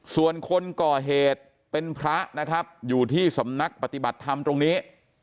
ส่วนคนก่อเหตุเป็นพระนะครับอยู่ที่สำนักปฏิบัติธรรมตรงนี้